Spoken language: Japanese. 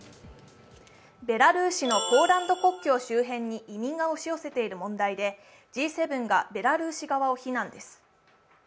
ベラルーシのポーランド国境周辺に移民が押し寄せている問題でＧ７がベラルーシ側を非難です。